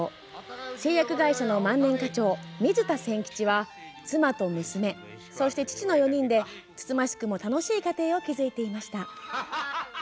製薬会社の万年課長、水田仙吉は妻と娘、そして父の４人でつつましくも楽しい家庭を築いていました。